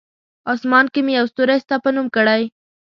آسمان کې مې یو ستوری ستا په نوم کړی!